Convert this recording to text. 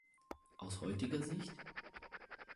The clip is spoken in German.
Aus heutiger Sicht?